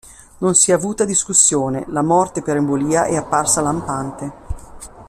Non si è avuta discussione: la morte per embolia è apparsa lampante.